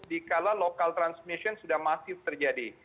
dikala local transmission sudah masih terjadi